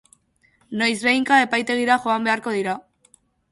Noizbehinka epaitegira joan beharko dira.